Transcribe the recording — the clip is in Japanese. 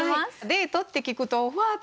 デートって聞くとわあ！